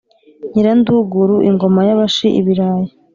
Nyiranduguru ingoma y'abashi-Ibirayi.